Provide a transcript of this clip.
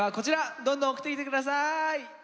どんどん送ってきて下さい。